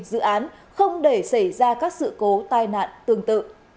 dự án không để xảy ra các sự cố tai nạn tương tự